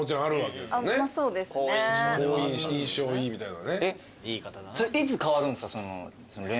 印象いいみたいなのはね。